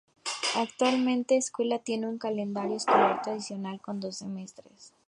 Actualmente escuela tiene un calendario escolar tradicional, con dos semestres.